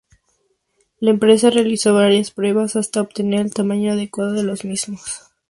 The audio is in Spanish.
La empresa realizó varias pruebas hasta obtener el tamaño adecuado de los mismos.